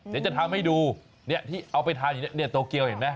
นี่จะทำให้ดูเอาไปทานอยู่นี่โตเกียวเห็นไหม